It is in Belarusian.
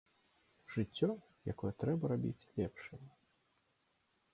Жыццё, якое трэба рабіць лепшым.